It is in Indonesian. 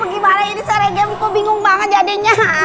bagaimana ini seregen kok bingung banget jadinya